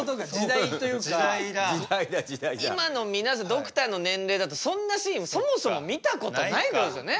ドクターの年齢だとそんなシーンそもそも見たことないと思いますよね。